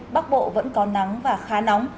bắc bộ vẫn có nắng và khá nóng